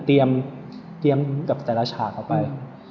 เตรียมแบบแต่ละชาติต่อไป